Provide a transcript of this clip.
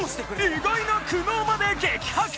意外な苦悩まで激白！